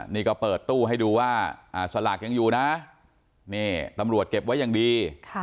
นี่ก็เปิดตู้ให้ดูว่าสลากยังอยู่นะนี่ตำรวจเก็บไว้อย่างดี